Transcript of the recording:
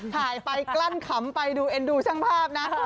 ถ่ายไปกลั้นขำไปดูเอ็นดูช่างภาพนะ